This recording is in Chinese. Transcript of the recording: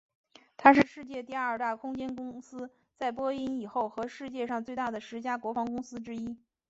它是世界第二大空间公司在波音以后和世界上最大的十家国防公司之一。